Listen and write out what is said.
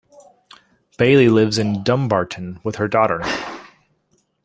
Baillie lives in Dumbarton with her daughter.